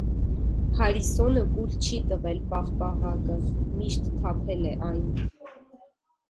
Հարիսոնը կուլ չի տվել պաղպաղակը, միշտ թափել է այն։